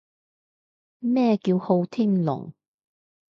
咩叫好天龍？